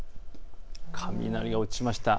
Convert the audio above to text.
雷が落ちました。